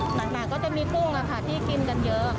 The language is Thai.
หนักก็จะมีกุ้งที่กินกันเยอะ